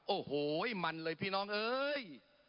โอ้โหมันเลยพี่น้องเอ้ย